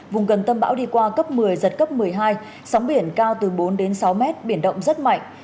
vùng gần tâm bão đi qua cấp một mươi giật cấp một mươi hai sóng biển cao từ bốn đến sáu mét biển động rất mạnh